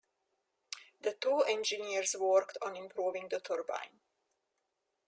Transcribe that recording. The two engineers worked on improving the turbine.